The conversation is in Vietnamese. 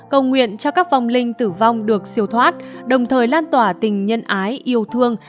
cầu nguyện cho các phong linh tử vong được siêu thoát đồng thời lan tỏa tình nhân ái yêu thương